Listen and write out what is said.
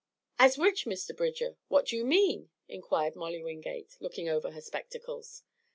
"As which, Mr. Bridger? What you mean?" inquired Molly Wingate, looking over her spectacles.